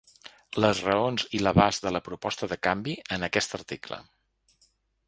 Les raons i l’abast de la proposta de canvi, en aquest article.